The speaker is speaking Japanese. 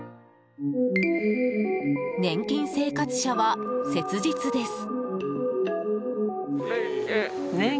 年金生活者は切実です。